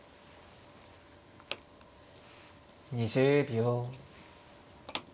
２０秒。